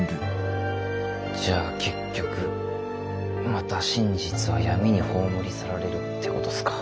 じゃあ結局また真実は闇に葬り去られるってことすか？